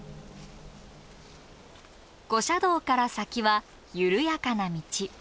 五社堂から先は緩やかな道。